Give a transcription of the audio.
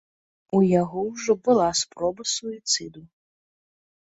У яго ўжо была спроба суіцыду.